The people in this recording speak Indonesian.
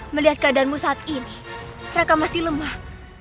melihat keadaanmu saat ini mereka masih lemah